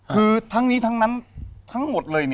คือทั้งนี้ทั้งนั้นทั้งหมดเลย